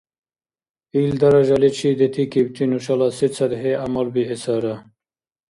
Ил даражаличи детикибти нушала сецадхӀи гӀямал биэсара?